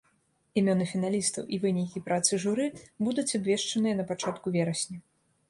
Імёны фіналістаў і вынікі працы журы будуць абвешчаныя на пачатку верасня.